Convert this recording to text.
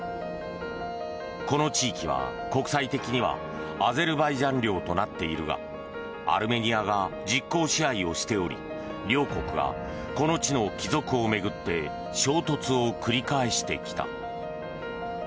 この地域は国際的にはアゼルバイジャン領となっているがアルメニアが実効支配をしており両国がこの地の帰属を巡って衝突を繰り返してきた。